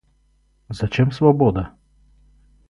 Зачем свобода?